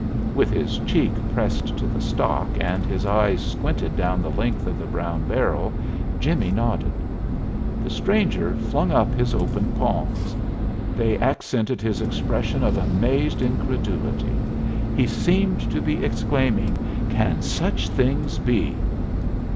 With his cheek pressed to the stock and his eye squinted down the length of the brown barrel, Jimmie nodded. The stranger flung up his open palms. They accented his expression of amazed incredulity. He seemed to be exclaiming, "Can such things be?"